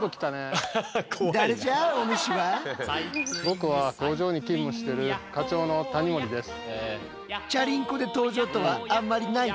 僕は工場に勤務してる課長の谷森です。